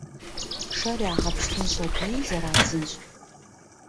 Шэр ягъэпщтынщ аби зэрадзынщ.